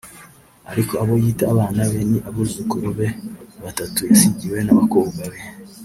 Ariko abo yita abana be ni abuzukuru be batatu yasigiwe n’abakobwa be